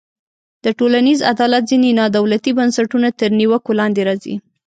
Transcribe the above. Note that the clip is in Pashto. د ټولنیز عدالت ځینې نا دولتي بنسټونه تر نیوکو لاندې راځي.